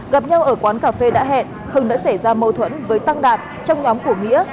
gặp nhau ở quán cà phê đã hẹn hưng đã xảy ra mâu thuẫn với tăng đạt trong nhóm của nghĩa